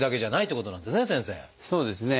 そうですね。